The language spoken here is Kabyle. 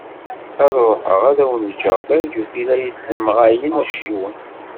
Ad ruḥeγ ad awen-ğğeγ berγut i la yessemγayen acciwen.